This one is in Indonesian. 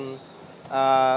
sudah mulai masuk ke dalam